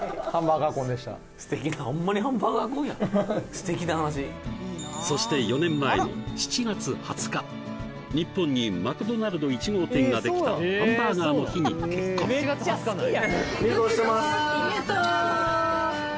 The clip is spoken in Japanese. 素敵なそして４年前の７月２０日日本にマクドナルド１号店ができたハンバーガーの日に結婚・入刀してます